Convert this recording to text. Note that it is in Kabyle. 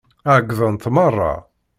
Ɛeyyḍent meṛṛa.